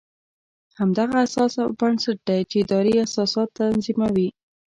همدغه اساس او بنسټ دی چې ادارې اساسات تنظیموي.